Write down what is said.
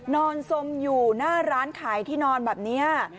นอนสมอยู่หน้าร้านขายที่นอนแบบนี้